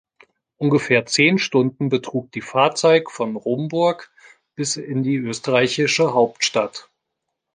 Ungefähr zehn Stunden betrug die Fahrzeit von Rumburg bis in die österreichische Hauptstadt.